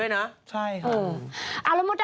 นั่นค่ะ